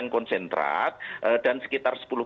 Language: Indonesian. konsentrat dan sekitar